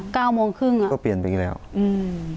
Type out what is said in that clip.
เก้าโมงครึ่งอ่ะก็เปลี่ยนไปอีกแล้วอืม